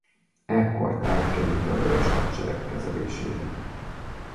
Ekkortájt került a Vörös Hadsereg kezelésébe.